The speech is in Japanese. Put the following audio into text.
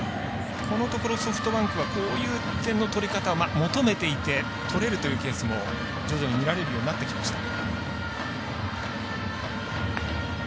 このところソフトバンクはこういう点の取り方求めていて取れるというケースも徐々に見られるようになってきました。